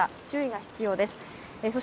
注意が必要です。